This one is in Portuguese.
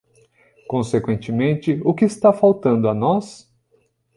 Consequentemente, o que está faltando a nós?